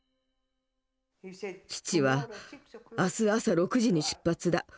父は「明日朝６時に出発だ。